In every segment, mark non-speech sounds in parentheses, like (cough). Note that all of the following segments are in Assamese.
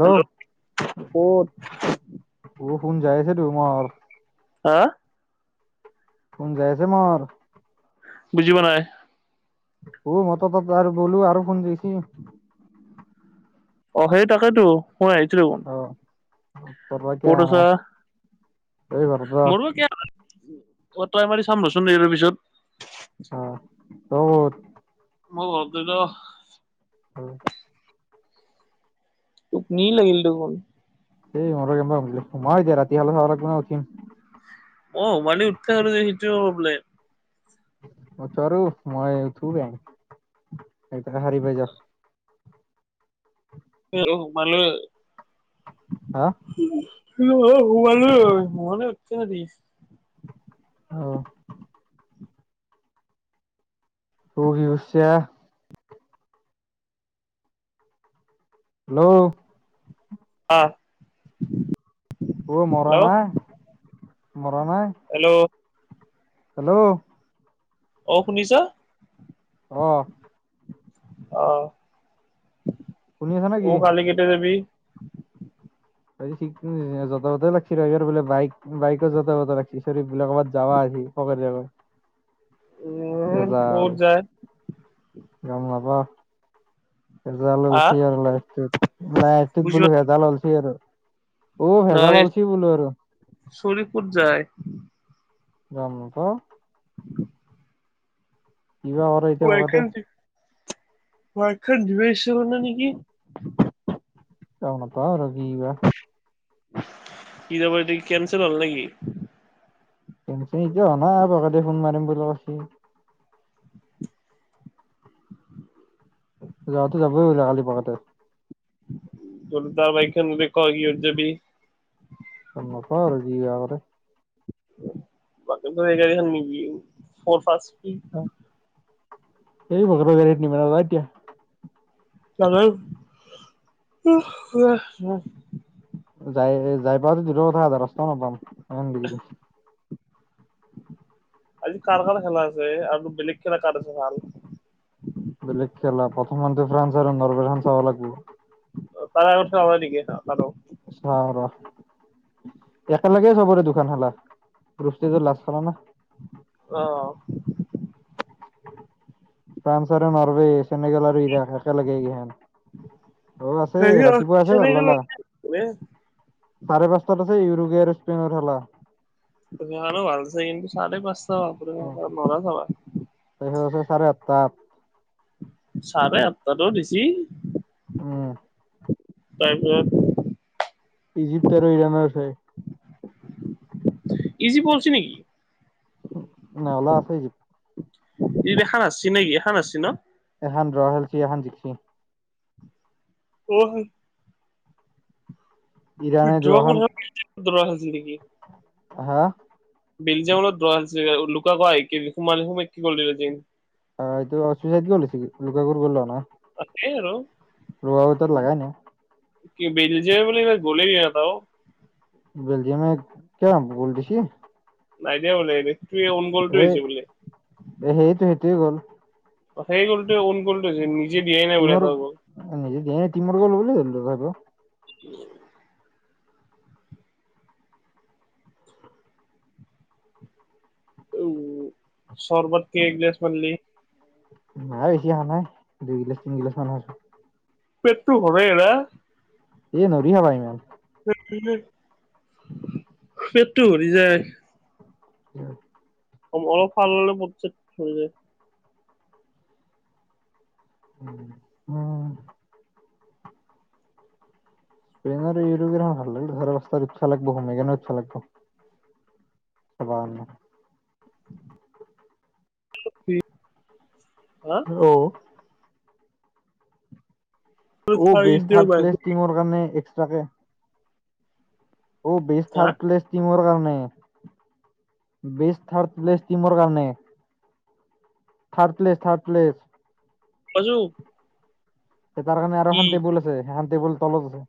হেল্ল' ক'ত কোন যাই জে তোমাৰ হা? কোন যাইছে মাৰ বুজি পোৱা নাই (unintelligible) অহে তাকেটো মই আহিছিলো (unintelligible) অ তই মাৰি চাম দেচোন এই পিছত অ', (unintelligible) মই ভাবিলো টোপনি লাগিলটো মোৰ সেই মৰো (unintelligible) ৰাতি হলে আৰু কিমান উঠিম অ ৱানী উখ সেইটো হব বোলে মই ত আৰু মই থু যাম এ হাৰিব যাও এ অ মালে হা? (unintelligible) অ'। ত কি কৰছা হেল্ল' অ অ মৰা নাই মৰা নাই হেল্ল' হেল্ল' অ শুনিছ অহ শুনি আছা অ নেকি কালি কেতিয়া যাবি উ (unintelligible) যাবা যাব লাগছিলে আৰু বোলে বাইক বাইকত যাবাযাব লাগছি ছলিবিলাক ক'বাত যাৱা আজি ককা (unintelligible) উম ভেজাল ক'ত যায় গম পাবা ভেজাল হা লাগছি আৰু লাইফটোত, লাইফটোত বুজি বোলো পোৱা ভেজাল লাগছি আৰু। অ ভেজাল নাই আনছি বোলো আৰু চৰি ক'ত যায় যাম ক (unintelligible) কিবা কৰে এতিয়া মামাতৈ। মাতসাৰ দিবা ইচ্ছা কৰা নাই নেকি? গম নাপাও আৰু কিবা। কি পাৰ্টি কেনচেল হ'ল নেকি? কেনচেল এতিয়াও হনাই প্ৰসাদে ফোন মাৰিম বুলি কৈছি। যাটো যাবই বোলে কালি প্ৰসাদে। (unintelligible) কিহত যাবি? গম নাপাওঁ আৰু কি বা কৰে বাকী (unintelligible) এই (unintelligible) নিব নৰা এতিয়া। ত উ (unintelligible) যাই যাই পাতো দূৰৰ কথা আধা ৰাস্তাও নাপাম। তামাম (unintelligible) আজি কাৰ কাৰ খেলা আছে আৰু বেলেগ খেলা কাৰ আছে ভাল? বেলেগ খেলা প্ৰথমখানটো ফ্ৰান্স আৰু ন'ৰবে খান চাবা লাগবো। তাৰ আগত (unintelligible) চাও ৰ। একেলগে চবৰে দুখন খেলা। বষ্টি লাজ খাব না অ', ফ্ৰান্স আৰু ন'ৰৱে, চেনেগেল আৰু ইৰাক একেলগে কিহেন অ', আছে হেৰি ৰাতিপুৱা আছে। সেইখনো (unintelligible) চাৰে পাচটাত আছে উৰুগুৱে আৰু স্পেইনৰ খেলা। এইকেইখনো ভালছে। কিন্তু চাৰে পাচটা বাপৰে বাপ নৰা চাবা। তাৰপিছত আছে চাৰে আঠটাত। চাৰে আঠটাতো দিছি? উম তাৰপিছত ইজিপ্ত আৰু ইৰাণৰ আছে। ইজিপ্ত অলচি নকি? নাই অওলা আছে য (unintelligible) এখান হাৰচি নেকি, এখান হাৰচি ন'? এহান দ্ৰ খেলচি, এখান জিকচি। অহ। ইৰাণে দ্ৰ যোৱাখন কোনখন (unintelligible) ছিল নেকি? হাহ? বেলজিয়ামৰ লগত দ্ৰ খেলছি। লুকা আকৌ আহি কি সোমা সোমাইকি গ'ল দি দিছি। অ, এইটো অষ্ট্ৰেলিয়া (unintelligible) কি গল হৈছে লুকাৰ গ'ল হোৱা নাই। আছে আৰু। (unintelligible) লাগায় নাই কি বেলজিয়ামে বোলে এইবাৰ গ'লেই দিয়া নাই এটাও? বেলজিয়ামে কিয় গ'ল দিছি। নাই দিয়া বোলে। এইটোৱে অন গ'লটোৱে হৈছে বোলে। সেইটো এই গ'ল। অ, সেই গ'ল অন গ'লটো হৈছে নিজে দিয়াই নাই বোলে তিমৰ এটা নিজ দিয়া এই তিমৰ গ'ল বুলিয়ে ধল্লো আৰু। উম, উম, চৰবত কেই গ্লাছ মাৰলি? নাই বেছি খনাই দুই গিলাচ, তিনগিলাচ মান খাইছো। পেতটো ভৰাই নাই? এ নৰি খাবা ইমান। পেটটো ভৰি যায়। উম, অলপ খোৱাৰ লগে - লগে পেট ছেট ভৰি যায়। উম, উম। স্পেইন আৰু ইৰোপেখন ভাল লাগিলে (unintelligible) লাগব (unintelligible) (unintelligible) (unintelligible) হা অ'। অ', বেছ থাৰ্ড প্লেছ টিমৰ কাৰণে এক্সট্ৰা কে অ', বেছ হা থাৰ্ড প্লেছ টীমৰ কাৰণে উম, বেচ থাৰ্ড প্লেচ টিমৰ কাৰণে। Third place, third place. (unintelligible) তাৰ কাৰণে আৰু কি এখন টেবুল আছে, সেখন টেবুল তলত আছে।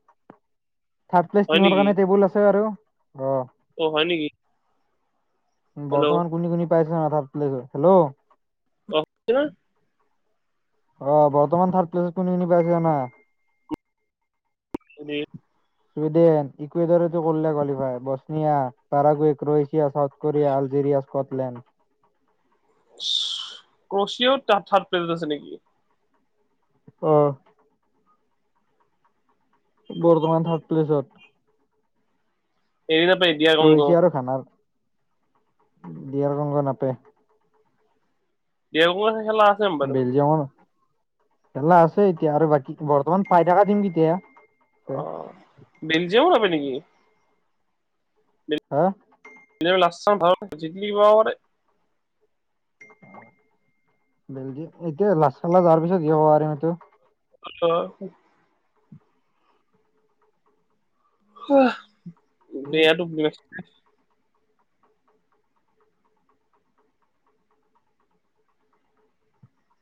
থাৰ্ড প্লেচ হয় টিমৰ নেকি কাৰণে টেবুল আছে আৰু, অ'। অ', হয় নেকি? হেল্ল' বৰ্তমান কুনি কুনি পাইছে ন থাৰ্ড প্লেচ, হেলো? (unintelligible) অ', বৰ্তমান থাৰ্ড প্লেছৰ কুনি কুনি পাইছে জানা? (unintelligible) চুইডেন, ইকুৱেডৰেতো কৰিলে qualify, Bosnia, Paraguay, (unintelligible) south Korea, Algeria, Scotland. (unintelligible) Third প্লেচত আছে নেকি? অ'। বৰ্তমান থাৰ্ড প্লেছত। হেৰি নাপায় ডিয়াগংগ ক্ৰয়ছিয়া আৰু ঘানাৰ, দিয়াৰ কংগো নাপে। (unintelligible) খেলা আছে (unintelligible) বেলজিয়ামৰ খেলা আছে এতিয়া আৰু বাকী, বৰ্তমান পাই থকা টিম কেতিয়া আছে? আহ, বেলজিয়ামো নাপাই নেকি? হা? (unintelligible) বেলজিয়, এতিয়া (unintelligible) যোৱাৰ পিছত (unintelligible) পাৰিমটো। (unintelligible) (unintelligible)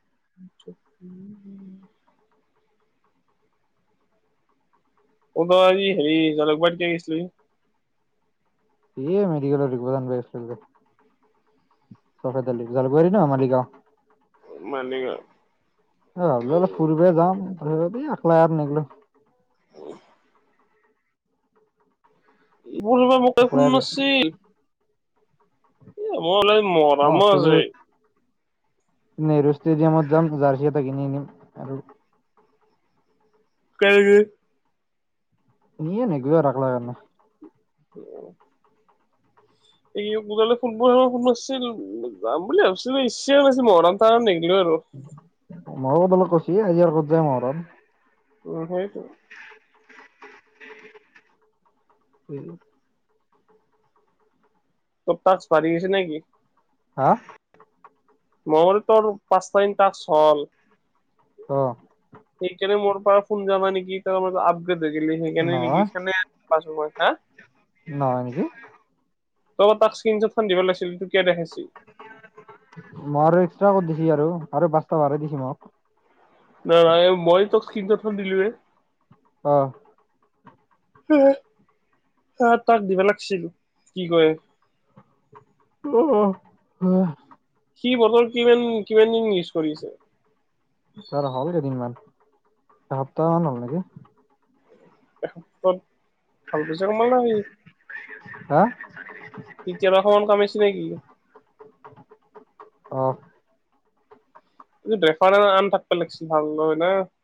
(unintelligible) (unintelligible) এ মেডিকেলৰ (unintelligible) (unintelligible) জালুকবাৰি ন মালিগাঁও। মালিগাওঁ। (unintelligible) একলাই আৰু (unintelligible) এ মোৰ (unintelligible) আছে। নেহেৰু ষ্টেডিয়ামত যাম, জাৰ্চি এটা কিনি আনিম আৰু (unintelligible) (unintelligible) (unintelligible) (unintelligible) (unintelligible) আৰু। (unintelligible) উম, হেইটো (unintelligible) (unintelligible) গৈছে নেকি। হা? মঙল তাল পাঁচটাৰিটা চল অ'। সেইকাৰণে মোৰ পাৰা ফোন যোৱা নাই নেকি, (unintelligible) (unintelligible) সেইকাৰণে নহয় নিকিকিনে ছানে পাছ হা নহয় নেকি (unintelligible) মই আৰু এক্সট্ৰা কত দিচি আৰু, আৰু (unintelligible) নহয়, মই তোক (unintelligible) দিলোৱে। অ'। (unintelligible) তাক দিব লাগছিলো, কি কই। (unintelligible) সি বতল কিমান কিমান দিন ইউজ কৰিছে (unintelligible) হল কেইদিনমান, এসপ্তাহ মান হ'ল নেকি। (unintelligible) ভাল পইচা কমালা (unintelligible) হা অ (unintelligible) সমান কাম আহিছে নেকি? (unintelligible)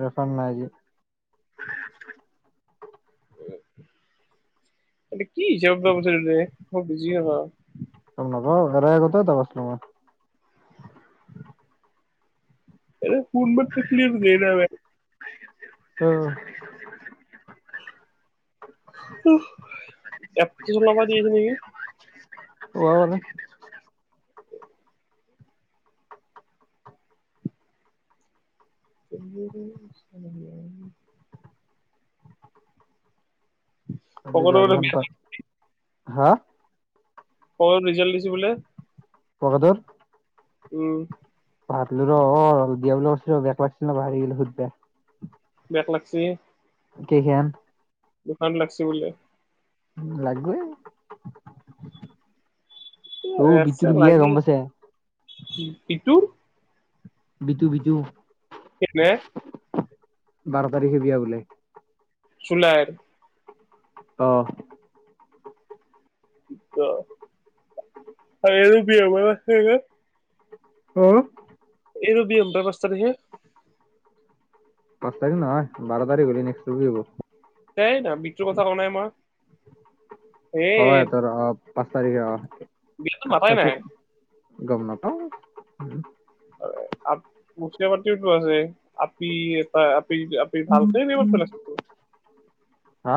ৰেফাৰ নাই দিয়া (unintelligible) (unintelligible) মই বুজিয়েই নাপাওঁ। (unintelligible) (unintelligible) অ'। এপটো লগত লিং কৰিবি (unintelligible) (unintelligible) পকেটৰ (unintelligible) হা। অ ৰিজাল্ট দিছে বোলে (unintelligible) উম (unintelligible) বেট লাগছি। কে। (unintelligible) দোকান লাগছি বোলে। উম লাগবই অঔ, আছে বিটোৰ বিয়া লাগি গম পাইছে? ইটোৰ বিতু, বিতু। কেনে বাৰ তাৰিখে বিয়া বোলে। চুলাইৰ। অহ। অ', (unintelligible) হা। এই ৰবি হম বা পাঁচ তাৰিখে পাঁচ তাৰিখ নহয় বাৰ তাৰিখ হ'লে নেক্সট তোত হব তাই (unintelligible) মৃত্যুৰ কথা কোৱা নাই মই হয় সিহতৰ অ পাঁচ তাৰিখে অ বিছ ভাতাই একো নাই গম নাপাওঁ (inaudible) (unintelligible) আছে আপি আপি আপি ভালকৈ নিব পেলছিল হা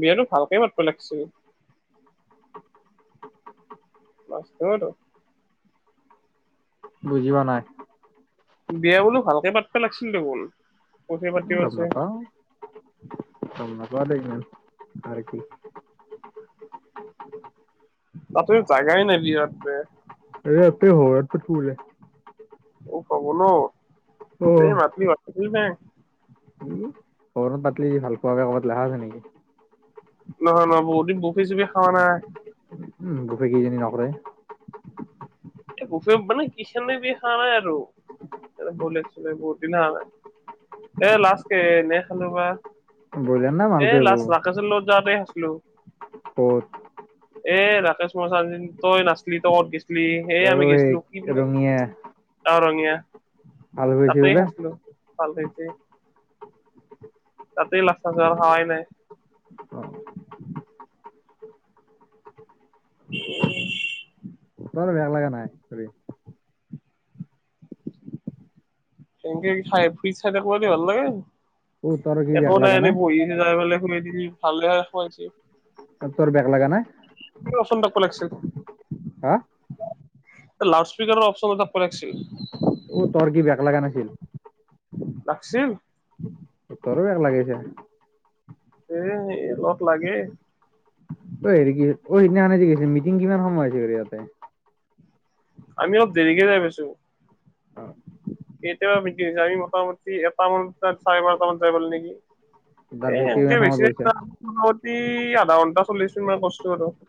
বিয়াতো ভালকে মাতব লাগছি। (unintelligible) বুজি পোৱা নাই। বিয়া বোলো ভালকে পাতব লাগিছিল (unintelligible) গম নাপাওঁ, গম নাপাওঁ দেই, ইমান কাৰ, কি। তাতে জাগাই নাই বিয়া পাতব, (unintelligible) অ (unintelligible) (unintelligible) আছে নিকি? নহয়, নহয় বহুত দিন কফি, চফি খাৱা নাই। (unintelligible) নকৰে। (unintelligible) এ, লাষ্ট এনে খালোঁ হয়। ব্ৰইলাৰ না এ, মালটোৱে লাষ্ট ৰাকেশৰ লগত যাওঁতে খাইছিলোঁ। ক'ত অ এ, ৰাকেচ (unintelligible) তই নাচলি, তই ক'ৰবাত গেছলি। সেই আমি গেছলো (unintelligible) অ', ৰঙীয়া। হাল বাইছে তাতেই বোলে খাইছিলোঁ (unintelligible) তাতেই (unintelligible) নাই। (unintelligible) বেয়া লাগা নাই (unintelligible) (unintelligible) অ তোৰ কি বেয়া একো নাই লগা এনেই বহিছে (unintelligible) (unintelligible) তোৰ বেক লাগা নাই? (unintelligible) হা লাউড স্পিকাৰৰ অপচন এটা (unintelligible) অ তোৰ কি বেয়া লগা নাছিল (unintelligible) তোৰো বেক লাগিছে? (unintelligible) লাগেই। (unintelligible) মিটিং কিমান সময় (unintelligible) আমি অলপ দেৰিকে যায় পাইছোঁ। (unintelligible) বিক্ৰী হৈছে আমি মোটামুটি এটামান চাৰে বাৰটা মান যায় পালোঁ নেকি। এই তাৰপিছত (unintelligible) কিমান সময়ত গৈছা আন্টা চল্লিশ মানত (unintelligible)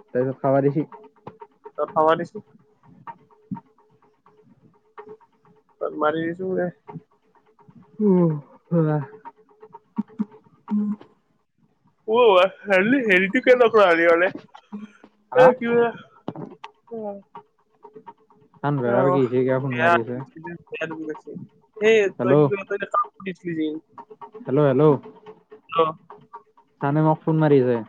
তাৰপিছত খাবা দিছি খাব দিছি (unintelligible) উম, (unintelligible) (unintelligible) (unintelligible) অ', আনভেৰাৰ কি হৈছে কিয় ফোন মাৰি আছে (unintelligible) সেই হেল্ল' (inaudible) হেল্ল'! হেল্ল'! (inaudible) চানে মোক ফোন মাৰিছে।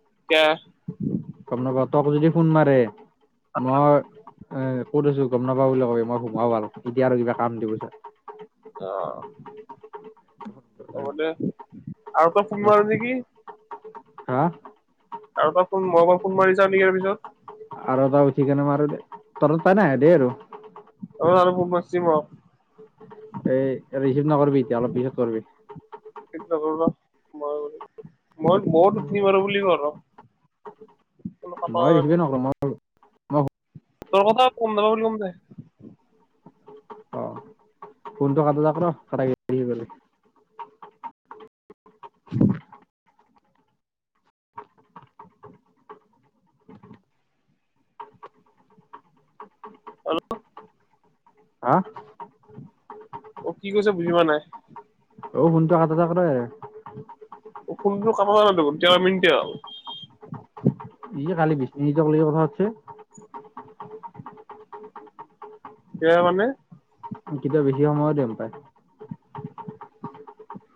(unintelligible) গম নাপাওঁ তক যদি ফোন মাৰে মই ক'ত আছোঁ, গম নাপাওঁ বুলি কবি মই (unintelligible) আহ অ' মানে আৰু তই ফোন মাৰ নেকি? হা তপ পৰা ফোন মই পৰা ফোন মাৰিছা নেকিৰ পিছত আৰু এটা উঠি কেনে আৰু (inaudible) পাই নাই দেই আৰু। (unintelligible) ফোন মাৰছি মোক। এই ৰিচিভ নকৰিবি এতিয়া অলপ পিছত কৰিবি। মিছ নকৰিবা মই আৰু মই বৰ দুতনি বাৰো বুলি কওঁ ৰ (inaudible) মই দেখিবে (inaudible) নকৰো মই তোৰ কথা পোন্ধৰ কৰি কম দে (inaudible) অ ফোনটো কাটা যাক না কাটা গছি (inaudible) হেল্ল' হা অ কি কৈছে বুজি পোৱা নাই। অ' ফোনটো কাটা যোৱা নাই ফোনটো কাটা যোৱা নাই কিয় দেখোন। ই যে কালি বিছ নিজ কথা হছে (inaudible) কে মানে (inaudible) কেতিয়া বেছি সময় দিম পায়।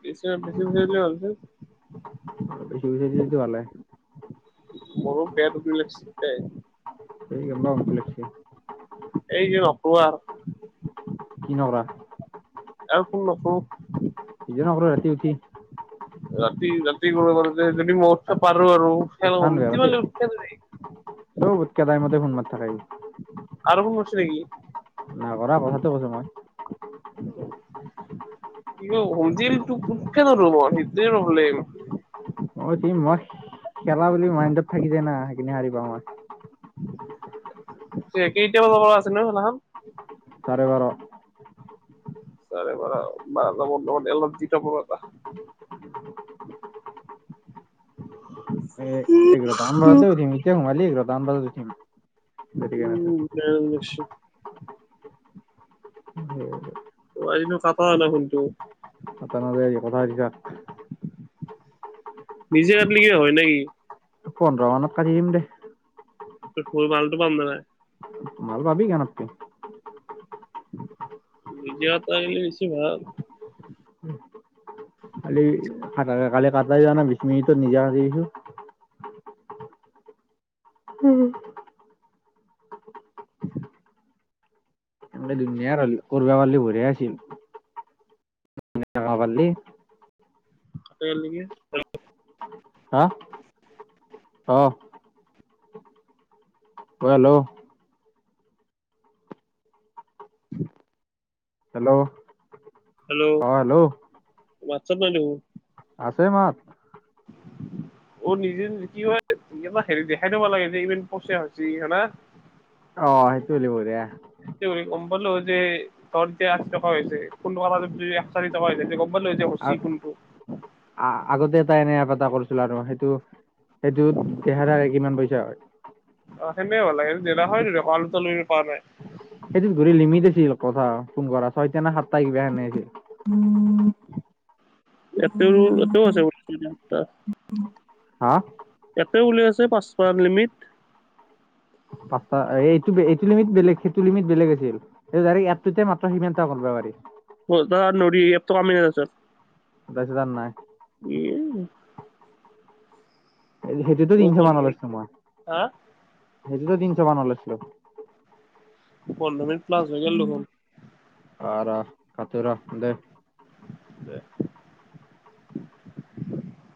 বছি বেছিতি ভালছে (inaudible) বেছি পইচা দিলেতো ভালে মোৰো পেট বিষাইছে দে। স মইক লক্ষ (inaudible) এই যে (inaudible) কি নকৰা? আৰু ফোন নকৰো। নিজে নকৰো ৰাতি উঠি ৰাতি ৰাতি গ ব যে যদি মহোৎসৱ পাৰ আৰু (inaudible) চান আৰুতে চবতকেইটাই মতে ফোন মাৰ থাকাই (inaudible) ফোন কৰিছে নেকি নাগৰা কথাটো কৈছো মই। তোকোক ক ন ৰব সেইটো প্ৰব্লেম, অ মই খেলা বুলি মাইণ্ডত থাকি যায় না সেইখিনি হাৰ পা মই। কি এতিয়া বাব পৰা আছিল ন সেইদিনাখন (inaudible) চাৰে বাৰ। চাৰে বাৰ ম এলজি কাপটা (inaudible) (unintelligible) একগ আমবতেমতিয়ামালিগ আম উিম (inaudible) উম ম নিশ্চয় তিনো কাপাল শোনটোু (unintelligible) কাতা নাযায় আজি কথা পাতি থাক। নিজে কাটলি হয় নেকি? পন্ধৰৰ মানত পাৰম দে। ত ফুল মালটো পাম নে নাই? মাল পাবি কিয়া নাপাবি? নিজে এটা আহিলি বেছি ভাল। কালি ফাডাৰ কালি কাটাই বিশ মিনিটত নিলে আহি। উম, ধুনীয়াল কৰিবা পাললি বঢ়িয়া আছিল। হবালি কতে নেকি (unintelligible) হা, অহ, অ, হেল্ল', হেল্ল', হেল্ল' অ, হেল্ল', হোৱাট চাপ নাই দেখোন। আছে মাত, অ' নিজে নিজ কি হয়। ই হেৰি দেখাই দিব লাগে যে ইন পচিয়ছি হোনা অ' সেইটো হ লিব দ ব'লো যে ধৰ এতিয়া আশী টকা হৈছে কোন টকা যদিশ চাৰি টকা হৈছে তে লৈ যাব চি কোনটো আ আগতে এটা এনে এ প এটা কৰিছিলো আৰু সেইটো সেইটোত দেহাৰ দাৰ কিমান পইচা হয়। অ' সেনে হালাগ সে দিলা হয় দে পল ত পোৱা নাই সেইটোত ধৰি লিমিট আছিল কথা ফোন কৰা ছয়টা নে সাতটা কিবা এনে আছিল। এও এও আছেটা হা তাতে উলিয়াইছে পাঁচ লিমিট। পাঁচটা এইটো এইটো লিমিট বেলেগ সেইটো লিমিট বেলেগ আছিলৰেক্য়তে ম্ৰ সিটা কৰিবা পাৰি। ত কামি ন তছ তছ য নাই। সেইটোতো ও তিনশ মান পন্ধৰ মিনিট লৈছিলো মই হা সেইটোতো তিনশ মান লৈইছিলো পোন্ধৰ মিনট প্লাচ হৈ গলো ফোন। আৰা কতৰা এ দে, দে,